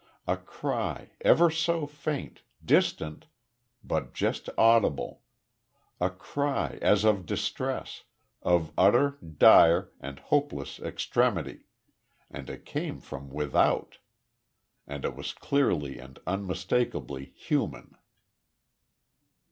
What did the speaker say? A cry ever so faint distant but just audible; a cry, as of distress, of utter, dire, and hopeless extremity and it came from without. And it was clearly and unmistakably human.